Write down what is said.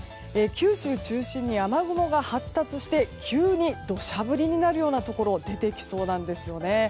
九州中心に雨雲が発達して急に土砂降りになるようなところ出てきそうなんですよね。